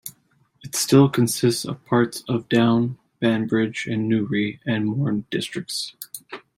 It still consists of parts of Down, Banbridge and Newry and Mourne districts.